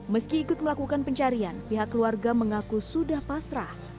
meski ikut melakukan pencarian pihak keluarga mengaku sudah pasrah